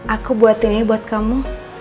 aku buat ini buat kamu